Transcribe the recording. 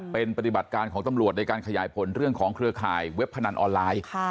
เป็นปฏิบัติการของตำรวจในการขยายผลเรื่องของเครือข่ายเว็บพนันออนไลน์